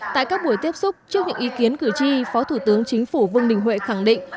tại các buổi tiếp xúc trước những ý kiến cử tri phó thủ tướng chính phủ vương đình huệ khẳng định